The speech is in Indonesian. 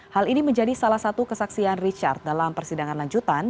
hal ini menjadi salah satu kesaksian richard dalam persidangan lanjutan